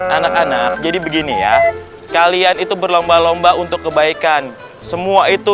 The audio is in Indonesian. anak anak jadi begini ya kalian itu berlomba lomba untuk kebaikan semua itu